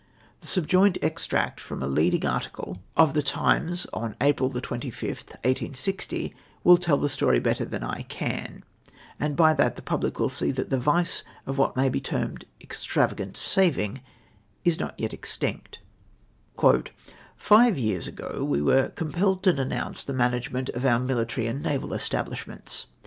The subjoined ex tract from a leading article of the Times of April 25th, 1860, will tell the story better than I can, and by that the pubhc will see that the vice of what may be termed extravagant saving is not yet extinct :— "Five years ago we were compelled to denounce the management of our military and naval establishments.